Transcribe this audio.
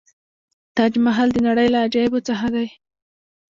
تاج محل د نړۍ له عجایبو څخه دی.